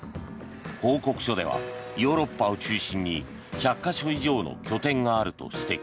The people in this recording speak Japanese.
報告書ではヨーロッパを中心に１００か所以上の拠点があると指摘。